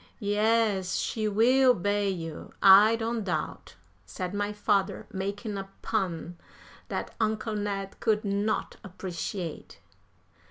"Yes, she will bay you, I don't doubt," said my father, making a pun that Uncle Ned could not appreciate.